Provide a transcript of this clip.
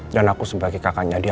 aku sebagai kakaknya dia